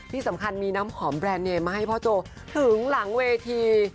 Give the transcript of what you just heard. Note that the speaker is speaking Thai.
ที่สำคัญมีน้ำหอมแบรนด์เนมมาให้พ่อโจถึงหลังเวที